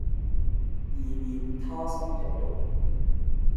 以免它生入肉